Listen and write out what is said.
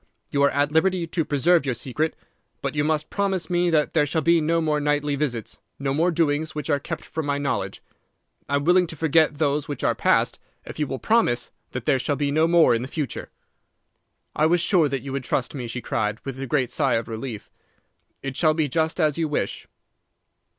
You are at liberty to preserve your secret, but you must promise me that there shall be no more nightly visits, no more doings which are kept from my knowledge. I am willing to forget those which are passed if you will promise that there shall be no more in the future.' "'I was sure that you would trust me,' she cried, with a great sigh of relief. 'It shall be just as you wish.